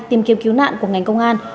tìm kiếm cứu nạn của ngành công an